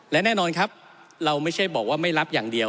และแน่นอนครับเราไม่ใช่บอกว่าไม่รับอย่างเดียว